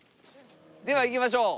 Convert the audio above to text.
では行きましょう。